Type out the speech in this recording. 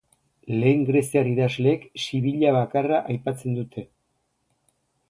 Lehen greziar idazleek Sibila bakarra aipatzen dute.